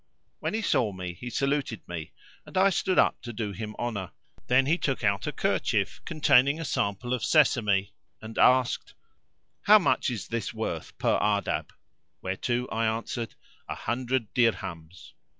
[FN#511] When he saw me he saluted me, and I stood up to do him honour: then he took out a kerchief containing a sample of sesame and asked, "How much is this worth per Ardabb?";[FN#512] whereto I answered, "An hundred dirhams."